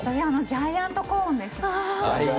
ジャイアントコーンね。